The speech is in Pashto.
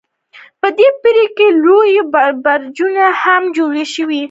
په دې پیړۍ کې لوی برجونه هم جوړ شول.